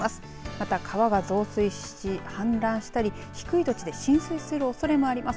また、川が増水し氾濫したり低い土地で浸水するおそれもあります。